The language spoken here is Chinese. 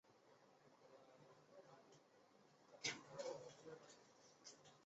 纳恰洛沃村委员会是俄罗斯联邦阿斯特拉罕州普里沃尔日耶区所属的一个村委员会。